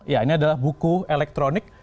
ya ini adalah buku elektronik